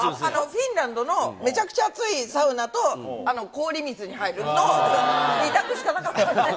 フィンランドのめちゃくちゃ熱いサウナと氷水に入るの２択しかなかったんで。